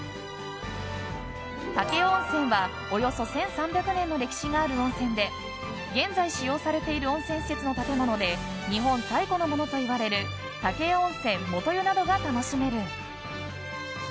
武雄温泉は、およそ１３００年の歴史がある温泉で現在使用されている温泉施設の建物で日本最古のものといわれる武雄温泉元湯などが楽しめる。